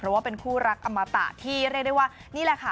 เพราะว่าเป็นคู่รักอมตะที่เรียกได้ว่านี่แหละค่ะ